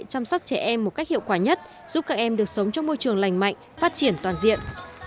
chăm sóc trẻ em một cách hiệu quả nhất giúp các em được sống trong môi trường lành mạnh phát triển toàn diện